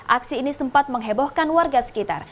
aksi ini sempat menghebohkan warga sekitar